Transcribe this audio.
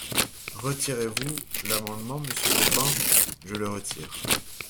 Retirez-vous l’amendement, monsieur Baupin ? Je le retire.